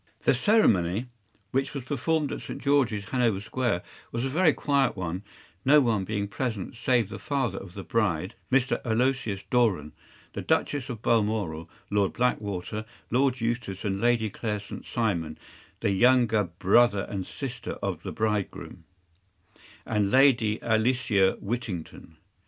“‘The ceremony, which was performed at St. George’s, Hanover Square, was a very quiet one, no one being present save the father of the bride, Mr. Aloysius Doran, the Duchess of Balmoral, Lord Backwater, Lord Eustace, and Lady Clara St. Simon (the younger brother and sister of the bridegroom), and Lady Alicia Whittington.